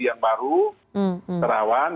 yang baru terawan